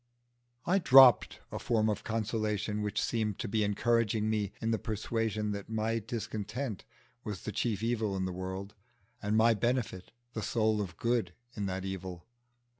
I dropped a form of consolation which seemed to be encouraging me in the persuasion that my discontent was the chief evil in the world, and my benefit the soul of good in that evil.